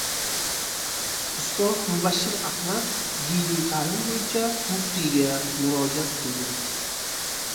Ustoz Mubashshir Ahmad diniy ta’lim bo‘yicha muftiyga murojaat qildi